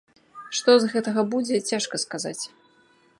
Што з гэтага будзе, цяжка сказаць.